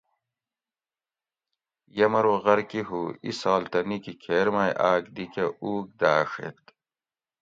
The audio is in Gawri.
یمرو غرکی ھو ایسال تہ نِکی کھیر مئ آک دی کہ اُوگ داۤ ڛیت